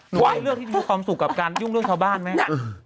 ว่าเลือกที่มีความสุขกับการยุ่งเรื่องชาวบ้านไหม